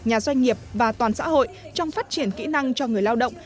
nhà doanh nghiệp và toàn xã hội trong phát triển kỹ năng cho người lao động